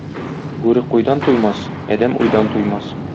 Бүре куйдан туймас, адәм уйдан туймас.